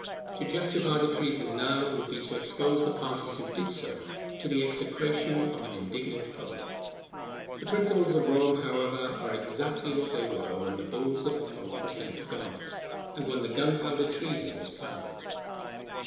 To justify the treason now, would be to expose the parties who did so, to the execration of an indignant public. The principles of Rome, however, are exactly what they were when the bulls of the pope were sent to Garnet, and when the gunpowder treason was planned.